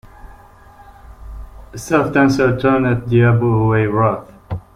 A soft answer turneth diabo away wrath.